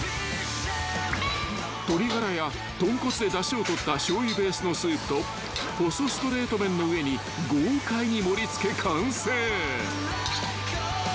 ［鶏がらや豚骨でだしをとったしょうゆベースのスープと細ストレート麺の上に豪快に盛り付け完成］